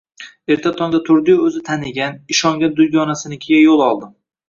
Erta tongda turdi-yu, o`zi tanigan, ishongan dugonasinikiga yo`l oldi